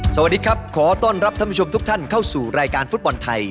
สวัสดีครับขอต้อนรับท่านผู้ชมทุกท่านเข้าสู่รายการฟุตบอลไทย